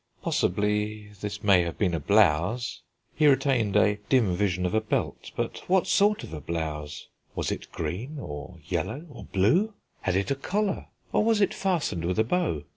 Possibly, this may have been a blouse; he retained a dim vision of a belt; but what sort of a blouse? Was it green, or yellow, or blue? Had it a collar, or was it fastened with a bow?